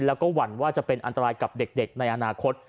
แล้วก็หวั่นว่าจะเป็นอันตรายกับเด็กในอนาคต